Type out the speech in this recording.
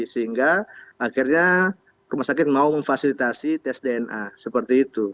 sehingga akhirnya rumah sakit mau memfasilitasi tes dna seperti itu